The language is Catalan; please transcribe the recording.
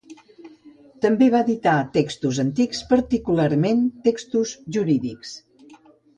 També va editar textos antics, particularment textos jurídics.